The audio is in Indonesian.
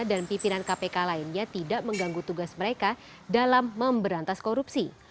dan pimpinan kpk lainnya tidak mengganggu tugas mereka dalam memberantas korupsi